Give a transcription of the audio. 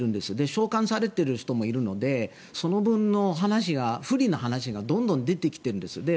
償還されている人もいるのでその分の話が不利な話がどんどん出てきているんです。